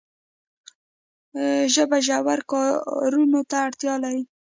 ژبه ژورو کارونو ته اړتیا لري.